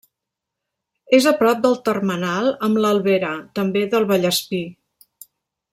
És a prop del termenal amb l'Albera, també del Vallespir.